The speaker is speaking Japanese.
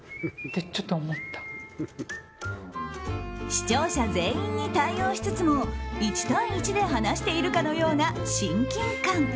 視聴者全員に対応しつつも１対１で話しているかのような親近感。